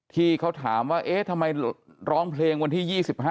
ที่เขาถามว่าเอ๊ะทำไมร้องเพลงวันที่๒๕